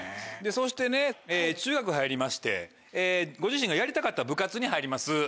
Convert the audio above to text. そしてね中学入りましてご自身がやりたかった部活に入ります。